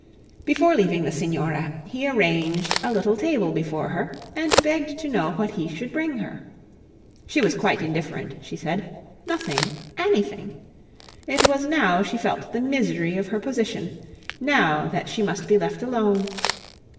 Before leaving the signora he arranged a little table before her, and begged to know what he should bring her. She was quite indifferent, she said nothing anything. It was now she felt the misery of her position, now that she must be left alone.